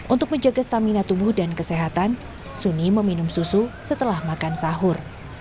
untuk menjaga stamina tubuh dan kesehatan suni meminum susu setelah makan sahur